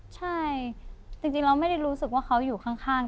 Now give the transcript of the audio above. ใช่จริงเราไม่ได้รู้สึกว่าเขาอยู่ข้าง